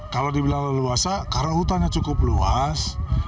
kalau dibilang leluasa karena hutannya cukup luas